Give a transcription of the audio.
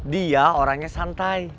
dia orangnya santai